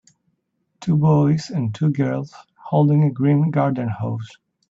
Two boys and two girls holding a green garden hose.